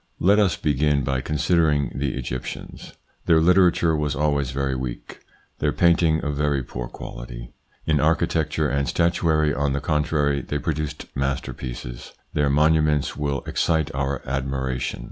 Let us begin by considering the Egyptians. Their literature was always very weak, their painting of very poor quality. In architecture and statuary, on the contrary, they produced masterpieces. Their monuments still excite our admiration.